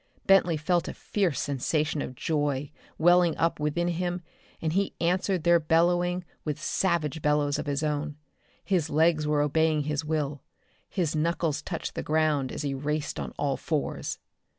Bentley felt a fierce sensation of joy welling up within him and he answered their bellowing with savage bellows of his own. His legs were obeying his will. His knuckles touched the ground as he raced on all fours.